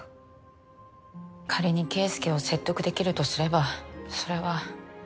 仮に圭介を説得できるとすればそれは。